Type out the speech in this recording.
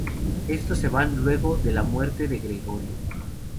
Estos se van luego de la muerte de Gregorio.